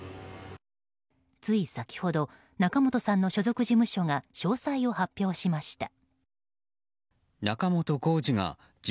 つい先ほど仲本さんの所属事務所が詳細を発表しました。